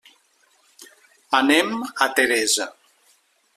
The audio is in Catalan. Anem a Teresa.